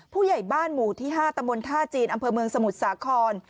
ผู้ใหญ่บ้านหมู่ที่๕ตำบลท่าจีนอำเภอเมืองสมุทรสาคร